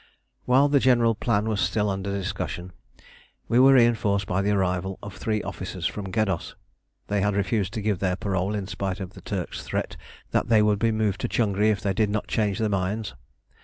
While the general plan was still under discussion, we were reinforced by the arrival of three officers from Geddos. They had refused to give their parole in spite of the Turks' threat that they would be moved to Changri if they did not change their minds.